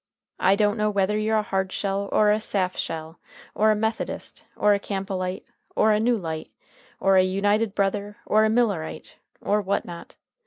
I don't know whether you're a Hardshell or a Saftshell, or a Methodist, or a Campbellite, or a New Light, or a United Brother, or a Millerite, or what not.